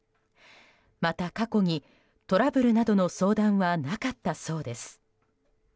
また、過去にトラブルなどの相談はなかったそうです。